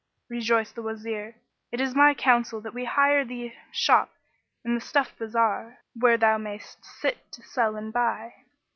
Rejoined the Wazir "It is my counsel that we hire thee a shop in the stuff bazar, where thou mayst sit to sell and buy.